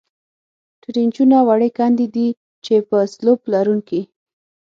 ټرینچونه وړې کندې دي، چې په سلوپ لرونکې.